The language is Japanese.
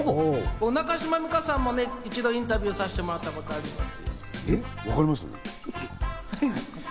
中島美嘉さんも一度、インタビュ−をさせてもらったことがあります。